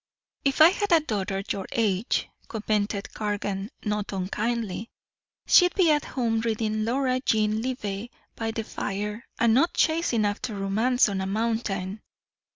"If I had a daughter your age," commented Cargan, not unkindly, "she'd be at home reading Laura Jean Libbey by the fire, and not chasing after romance on a mountain."